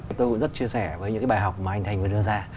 chúng tôi cũng rất chia sẻ với những cái bài học mà anh thành vừa đưa ra